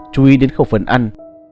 chú ý đến khẩu phấn ăn